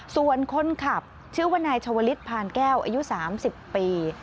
ส่วนคนขับชื่อว่านายชาวลิศพานแก้วอายุ๓๐ปี